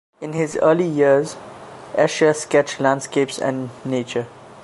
In his early years, Escher sketched landscapes and nature.